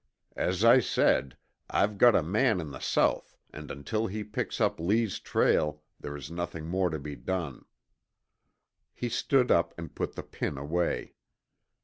As I said, I've got a man in the South and until he picks up Lee's trail there is nothing more to be done." He stood up and put the pin away.